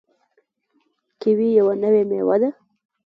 کیوي یوه نوې میوه ده.